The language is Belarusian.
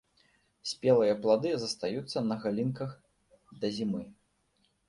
Спелыя плады застаюцца на галінках да зімы.